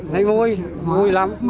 này vui vui lắm